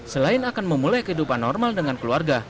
selain akan memulai kehidupan normal dengan keluarga